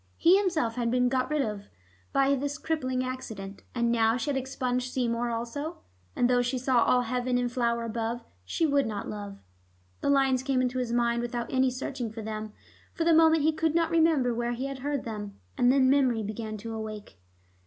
He himself had been got rid of by this crippling accident, and now she had expunged Seymour also. 'And though she saw all heaven in flower above, she would not love.' The lines came into his mind without any searching for them; for the moment he could not remember where he had heard them. And then memory began to awake.